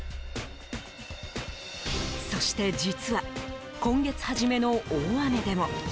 そして、実は今月初めの大雨でも。